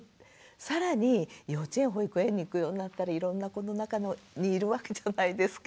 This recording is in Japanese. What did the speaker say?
更に幼稚園保育園に行くようになったらいろんな子の中にいるわけじゃないですか。